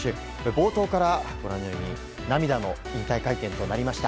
冒頭からご覧のように涙の引退会見となりました。